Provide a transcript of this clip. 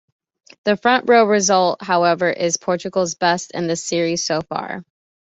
The front-row result, however, is Portugal's best in the series so far.